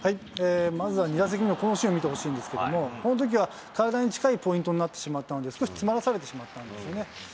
まずは２打席目のこのシーンを見てほしいんですけれども、このときは体に近いポイントになってしまったので、少し詰まらされてしまったんですね。